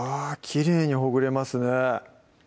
きれいにほぐれますね